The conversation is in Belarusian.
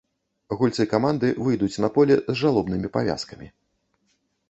Гульцы каманды выйдуць на поле з жалобнымі павязкамі.